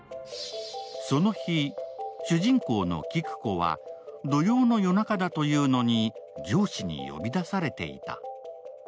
その日、主人公の紀久子は土曜の夜中だというのに上司に呼び出されていた。